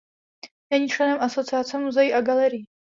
Není členem Asociace muzeí a galerií.